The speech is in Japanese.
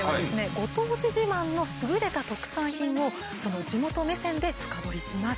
ご当地自慢のすぐれた特産品をその地元目線で深掘りします。